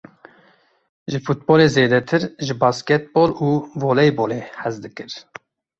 Ji futbolê zêdetir, ji bastekbol û voleybolê hez dikir.